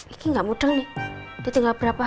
ini nggak mudah nih